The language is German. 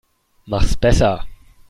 Mach's besser.